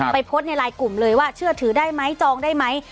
โพสต์ในไลน์กลุ่มเลยว่าเชื่อถือได้ไหมจองได้ไหม